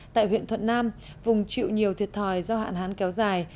tại huyện thuận nam vùng chịu nhiều thiệt thòi do hạn hán kéo dài